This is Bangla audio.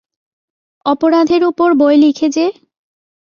অপরাধের ওপর বই লিখে যে?